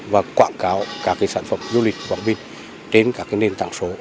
và quảng cáo các sản phẩm du lịch quảng bình trên các nền tảng số